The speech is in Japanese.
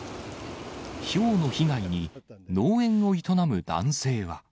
ひょうの被害に農園を営む男性は。